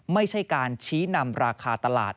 ไม่ใช่การชี้นำราคาตลาด